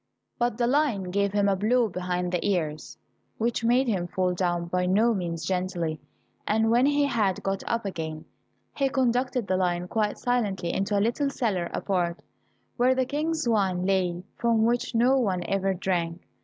But the lion gave him a blow behind the ears, which made him fall down by no means gently, and when he had got up again, he conducted the lion quite silently into a little cellar apart, where the King's wine lay, from which no one ever drank.